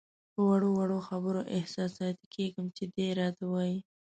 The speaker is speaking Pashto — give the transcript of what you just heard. په وړو وړو خبرو احساساتي کېږم چې دی راته وایي.